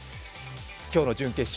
今日の準決勝